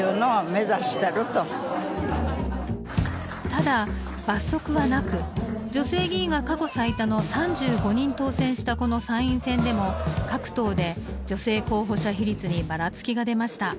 ただ罰則はなく女性議員が過去最多の３５人当選したこの参院選でも各党で女性候補者比率にばらつきが出ました。